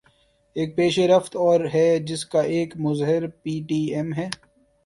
ایک پیش رفت اور ہے جس کا ایک مظہر پی ٹی ایم ہے۔